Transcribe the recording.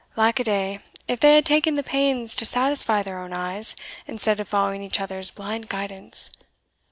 Lack a day, if they had ta'en the pains to satisfy their own eyes, instead of following each other's blind guidance!